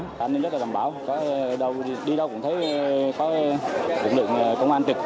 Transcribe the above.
an ninh rất là đảm bảo đi đâu cũng thấy có lực lượng công an trực